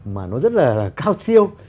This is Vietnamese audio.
mà nó rất là cao siêu